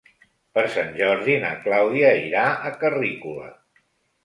Per Sant Jordi na Clàudia irà a Carrícola.